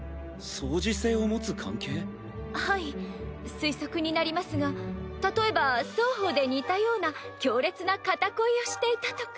推測になりますが例えば双方で似たような強烈な片恋をしていたとか。